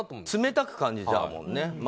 冷たく感じちゃうもんね。